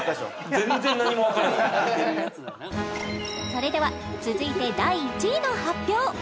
それでは続いて第１位の発表